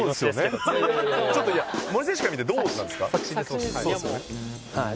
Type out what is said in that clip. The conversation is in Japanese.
ちょっといや森選手から見てどうなんですか？